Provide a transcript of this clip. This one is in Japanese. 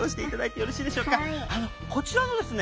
あのこちらのですね